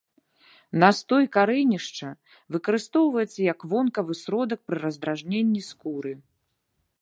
Настой карэнішча выкарыстоўваецца як вонкавы сродак пры раздражненні скуры.